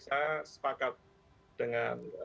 saya sepakat dengan